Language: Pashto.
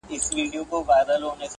• یوه نه زر خاطرې -